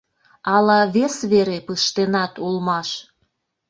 Ала вес вере пыштенат улмаш?